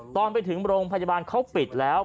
ตอนไปถึงโรงพยาบาลเขาปิดแล้ว